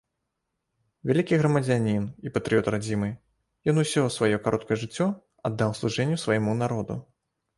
Вялікі грамадзянін і патрыёт радзімы, ён усё сваё кароткае жыццё аддаў служэнню свайму народу.